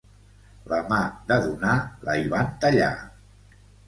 La mà de donar la hi van tallar.